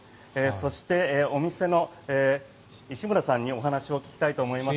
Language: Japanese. そして、お店の石村さんにお話をお伺いしたいと思います。